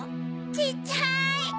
ちっちゃい！